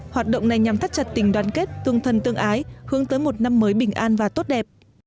hoạt động này nhằm thắt chặt tình đoàn kết tương thân tương ái hướng tới một năm mới bình an và tốt đẹp